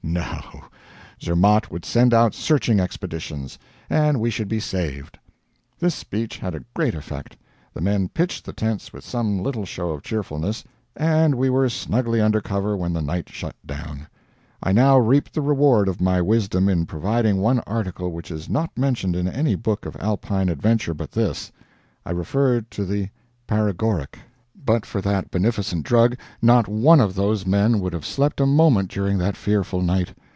No, Zermatt would send out searching expeditions and we should be saved. This speech had a great effect. The men pitched the tents with some little show of cheerfulness, and we were snugly under cover when the night shut down. I now reaped the reward of my wisdom in providing one article which is not mentioned in any book of Alpine adventure but this. I refer to the paregoric. But for that beneficent drug, would have not one of those men slept a moment during that fearful night.